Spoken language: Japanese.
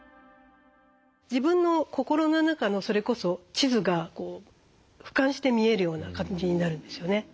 自分の心の中のそれこそ地図がふかんして見えるような感じになるんですよね。